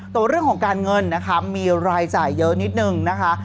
แต่ว่าเรื่องของการเงินนะคะมีรายจ่ายเยอะนิดนึงนะคะ